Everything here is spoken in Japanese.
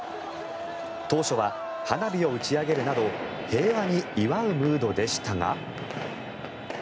当初は花火を打ち上げるなど平和に祝うムードでしたが。